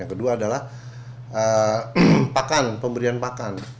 yang kedua adalah pakan pemberian pakan